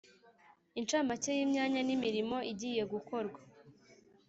incamake y imyanya nimirimo igiye gukorwa